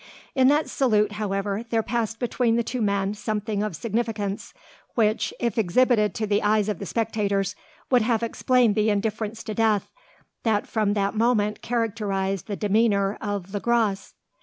In that salute, however, there passed between the two men something of significance; which, if exhibited to the eyes of the spectators, would have explained the indifference to death that from that moment characterised the demeanour of Le Gros.